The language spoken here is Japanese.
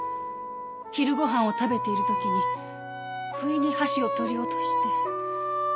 昼ごはんを食べている時にふいに箸を取り落として。